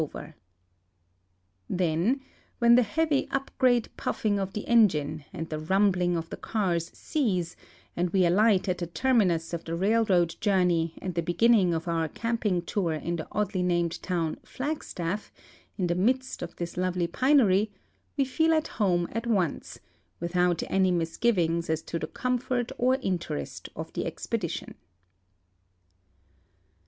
208 THE FORESTS AND DESERTS OF ARIZONA Then when the heavy up grade puffing of the engine and the rumbling of the cars cease and we ahght at the terminus of the raih'oad journey and the beginning of our camping tour in the oddly named town, Flagstaff, in the midst of this lovel}^ pinery, we feel at home at once, without any misgivings as to the com fort or interest of the expedition.